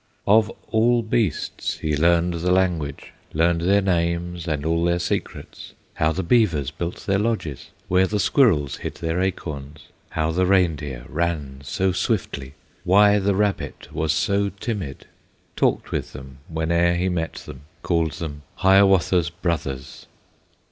Of all beasts he learned the language, Learned their names and all their secrets, How the beavers built their lodges, Where the squirrels hid their acorns, How the reindeer ran so swiftly, Why the rabbit was so timid, Talked with them whene'er he met them, Called them "Hiawatha's Brothers."